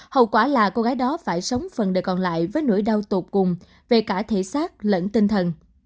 hậu quả là cô gái đó phải sống phần đời còn lại với nỗi đau tột cùng về cả thể xác lẫn tinh thần